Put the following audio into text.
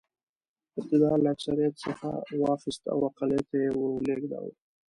اقتدار له اکثریت څخه واخیست او اقلیت ته یې ور ولېږداوه.